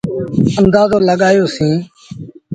اندآزو لڳآيو سيٚݩ۔